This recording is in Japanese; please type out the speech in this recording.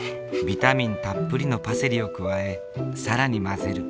ビタミンたっぷりのパセリを加え更に混ぜる。